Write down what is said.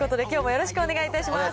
よろしくお願いします。